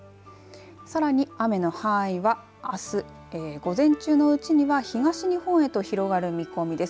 さらに、雨の範囲はあす午前中のうちには東日本へと広がる見込みです。